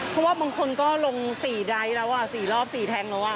เพราะว่าบางคนก็ลงสี่แล้วอ่ะสี่รอบสี่แล้วอ่ะ